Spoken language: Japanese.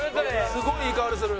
すごいいい香りする。